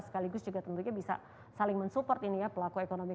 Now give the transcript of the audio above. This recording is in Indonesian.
sekaligus juga tentunya bisa saling mensupport ini ya pelaku ekonomi